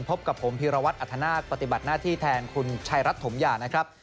พบกับผมพีรวัตรอัธนาคปฏิบัติหน้าที่แทนคุณชายรัฐถมยานะครับ